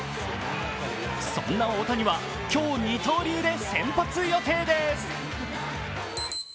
そんな大谷は今日、二刀流で先発予定です。